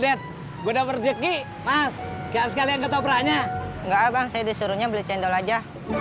enggak abang saya disuruhnya beli cendol aja